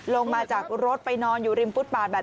ลงมาจากรถไปนอนอยู่ริมฟุตบาทแบบนี้